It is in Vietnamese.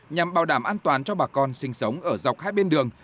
nhằm bảo đảm an toàn cho bà con sinh sống ở dọc hai bên đường